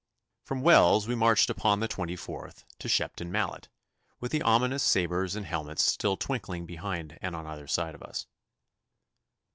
From Wells we marched upon the twenty fourth to Shepton Mallet, with the ominous sabres and helmets still twinkling behind and on either side of us.